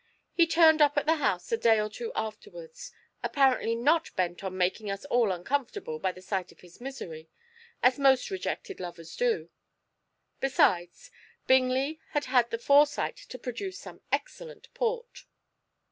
He turned up at the house a day or two afterwards, apparently not bent on making us all uncomfortable by the sight of his misery, as most rejected lovers do. Besides, Bingley had had the foresight to produce some excellent port."